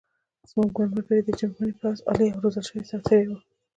زموږ ملګري د جرمني پوځ عالي او روزل شوي سرتېري وو